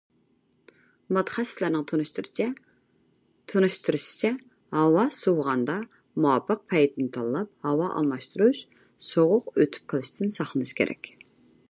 مۇتەخەسسىسلەرنىڭ تونۇشتۇرۇشىچە، ھاۋا سوۋۇغاندا، مۇۋاپىق پەيتنى تاللاپ ھاۋا ئالماشتۇرۇش، سوغۇق ئۆتۈپ قېلىشتىن ساقلىنىش كېرەك.